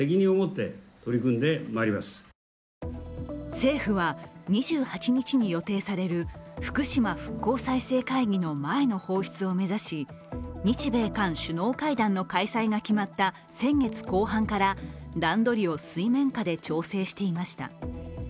政府は、２８日に予定される福島復興再生会議の前の放出を目指し日米韓首脳会談の開催が決まった先月後半から段取りを水面下で調整していました。